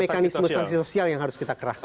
maka mekanisme saksi sosial yang harus kita kerahkan